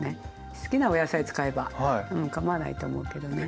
好きなお野菜使えばかまわないと思うけどね。